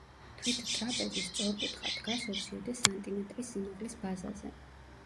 თვით ტრაპეზი სწორკუთხა, დგას ოციოდე სანტიმეტრის სიმაღლის ბაზაზე.